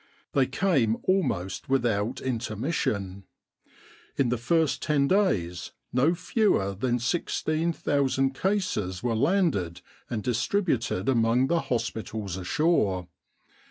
They came almost without intermission. In the first ten days no fewer than 16,000 cases were landed and distributed among the hospitals ashore.